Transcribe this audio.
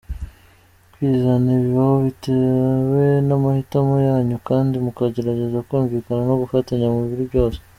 Kwizeana bibaho bitewe n’amahitamo yanyu kandi mukageregeza kumvikana no gufatanya muri byose.